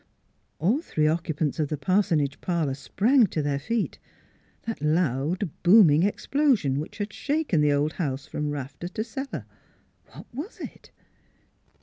All three occupants of the parsonage parlor sprang to their feet: That loud, booming ex plosion which had shaken the old house from rafter to cellar what was it?